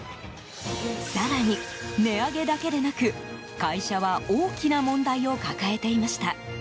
更に値上げだけでなく、会社は大きな問題を抱えていました。